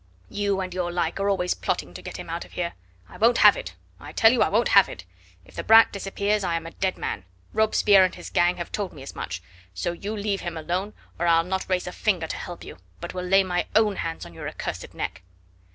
"You and your like are always plotting to get him out of here. I won't have it. I tell you I won't have it. If the brat disappears I am a dead man. Robespierre and his gang have told me as much. So you leave him alone, or I'll not raise a finger to help you, but will lay my own hands on your accursed neck."